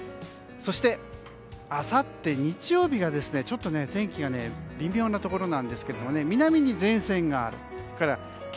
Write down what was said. そして、あさって日曜日がちょっと天気が微妙なところなんですけども南に前線がある。